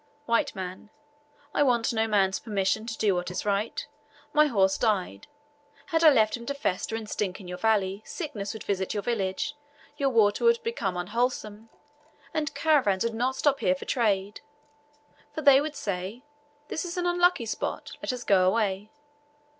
W. M. "I want no man's permission to do what is right. My horse died; had I left him to fester and stink in your valley, sickness would visit your village, your water would become unwholesome, and caravans would not stop here for trade; for they would say, 'This is an unlucky spot, let us go away.'